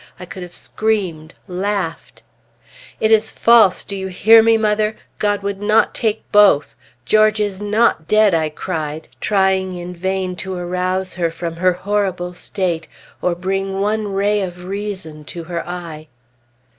I could have screamed! laughed! "It is false! Do you hear me, mother? God would not take both! George is not dead!" I cried, trying in vain to arouse her from her horrible state or bring one ray of reason to her eye.